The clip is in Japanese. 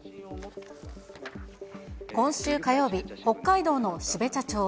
今週火曜日、北海道の標茶町。